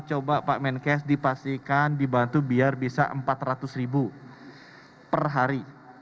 coba pak menkes dipastikan dibantu biar bisa empat ratus ribu per hari